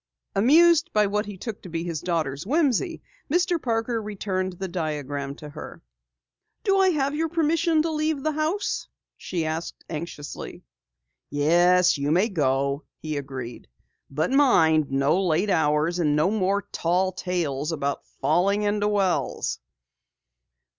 Amused by what he took to be his daughter's whimsy, Mr. Parker returned the diagram to her. "Do I have your permission to leave the house?" she asked anxiously. "Yes, you may go," he agreed. "But mind, no late hours. And no more tall tales about falling into wells!"